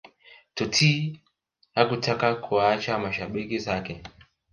Totti hakutaka kuwaacha mashabiki zake